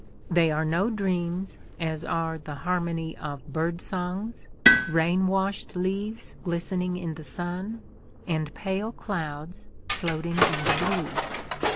They are no dreams, as are the harmony of bird songs, rain washed leaves glistening in the sun, and pale clouds floating in the blue.